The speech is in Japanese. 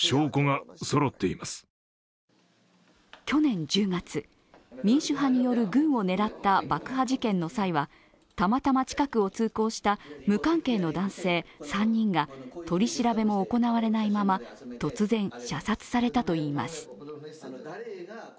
去年１０月、民主派による軍を狙った爆破事件の際はたまたま近くを通行した無関係の男性３人が取り調べも行われないまま突然、射殺されたといいます。